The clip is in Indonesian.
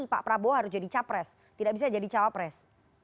karena pak prabowo harus jadi capres tidak bisa jadi cawapres